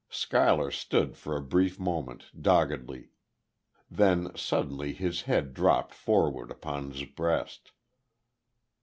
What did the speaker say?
Schuyler stood for a brief moment, doggedly. Then suddenly his head dropped forward upon his breast.